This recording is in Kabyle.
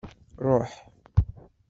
Ṛuḥ!